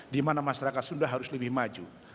dimana masyarakat sunda harus lebih maju